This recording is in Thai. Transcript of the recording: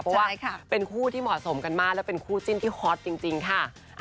เพราะว่าเป็นคู่ที่เหมาะสมกันมากและเป็นคู่จิ้นที่ฮอตจริงค่ะ